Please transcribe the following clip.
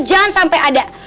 jangan sampai ada